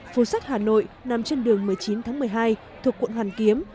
phố sách hà nội nằm trên đường một mươi chín tháng một mươi hai thuộc quận hoàn kiếm